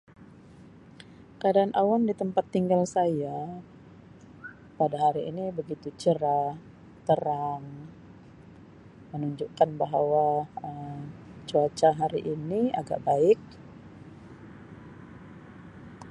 Keadaan awan di tempat tinggal saya pada hari ini begitu cerah terang menunjukkan bahawa Um cuaca hari ini agak baik.